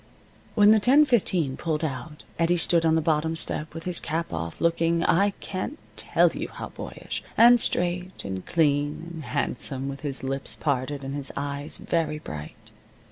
When the 10:15 pulled out Eddie stood on the bottom step, with his cap off, looking I can't tell you how boyish, and straight, and clean, and handsome, with his lips parted, and his eyes very bright.